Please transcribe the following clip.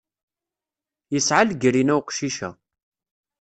Yesɛa legrina uqcic-a.